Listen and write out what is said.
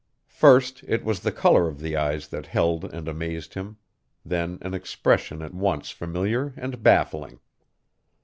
First it was the color of the eyes that held and amazed him; then an expression at once familiar and baffling.